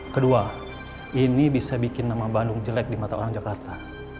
kedua ini bisa bikin nama bandung jelek di mata orang jakarta